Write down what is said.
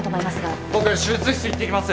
僕手術室行ってきます！